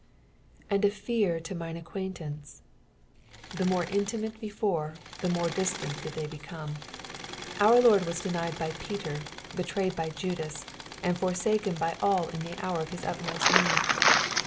" Atid a ftar to mint aequaintanrx." The more intimate before, the more dis tant did they become. Oor Lord was denied by 'Peter, betrayed by Judas, and foraaken by all In the hour of his utmost need.